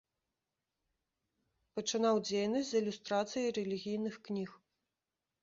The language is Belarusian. Пачынаў дзейнасць з ілюстрацый рэлігійных кніг.